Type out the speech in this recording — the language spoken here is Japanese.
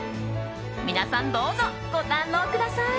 皆さん、どうぞご堪能ください。